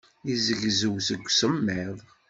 Yezzegzew seg usemmiḍ.